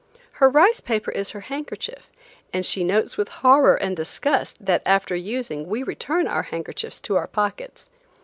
Her rice paper is her handkerchief, and she notes with horror and disgust that after using we return our handkerchiefs to our pockets.